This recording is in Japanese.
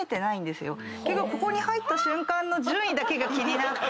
結局ここに入った瞬間の順位だけが気になって。